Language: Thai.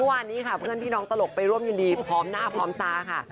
วันนี้ค่ะเพื่อนพี่น้องตลกไปร่วมยินดีพร้อมหน้าพร้อมตาค่ะ